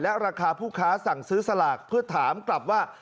ราคาผู้ค้าสั่งซื้อสลากเพื่อถามกลับว่า